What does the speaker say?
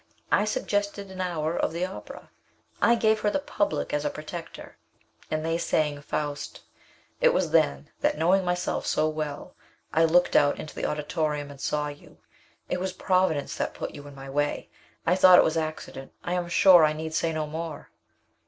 I suggested an hour of the opera I gave her the public as a protector and they sang 'Faust.' It was then that, knowing myself so well, I looked out into the auditorium and saw you! It was Providence that put you in my way. I thought it was accident. I am sure I need say no more?"